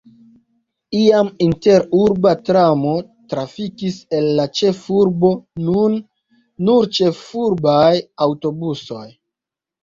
Iam interurba tramo trafikis el la ĉefurbo, nun nur ĉefurbaj aŭtobusoj.